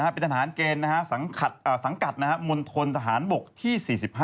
เป็นทหารเกณฑ์สังกัดมณฑนทหารบกที่๔๕